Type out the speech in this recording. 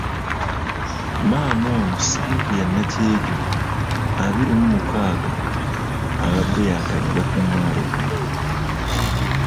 Maama ono, Sylvia Nakyejwe abiri mu mukaaga, abadde yaakajja ku mwalo guno.